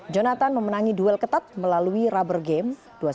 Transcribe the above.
jonathan memenangi duel ketat melalui rubber game